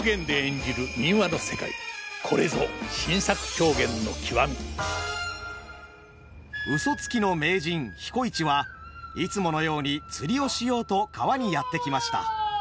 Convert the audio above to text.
再演を重ねていまやうそつきの名人彦市はいつものように釣りをしようと川にやって来ました。